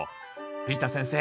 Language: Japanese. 藤田先生